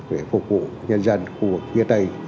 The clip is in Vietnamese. để phục vụ nhân dân khu vực phía tây